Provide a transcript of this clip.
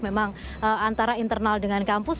memang antara internal dengan kampus